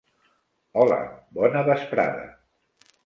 Hola, bona vesprada.